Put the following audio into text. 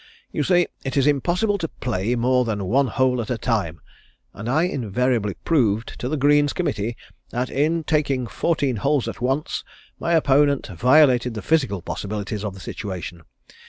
You see it is impossible to play more than one hole at a time, and I invariably proved to the Greens Committee that in taking fourteen holes at once my opponent violated the physical possibilities of the situation.